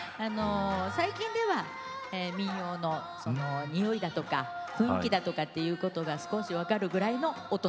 最近では民謡のにおいだとか雰囲気だとかっていうことが少し分かるぐらいの大人になりました。